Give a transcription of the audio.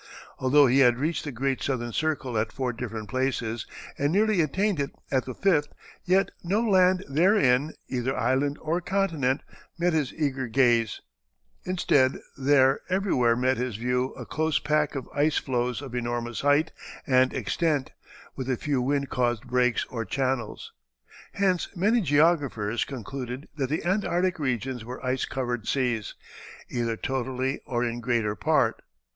Although he had reached the Great Southern Circle at four different places, and nearly attained it at the fifth, yet no land therein, either island or continent, met his eager gaze; instead there everywhere met his view a close pack of ice floes of enormous height and extent, with a few wind caused breaks or channels. Hence many geographers concluded that the Antarctic regions were ice covered seas, either totally or in greater part.